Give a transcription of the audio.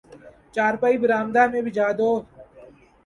چارپائی برآمدہ میں بچھا دو